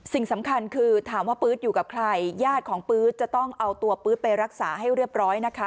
สิ่งสำคัญคือถามว่าปื๊ดอยู่กับใครญาติของปื๊ดจะต้องเอาตัวปื๊ดไปรักษาให้เรียบร้อยนะคะ